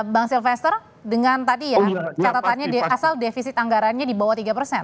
bang sylvester dengan tadi ya catatannya asal defisit anggarannya di bawah tiga persen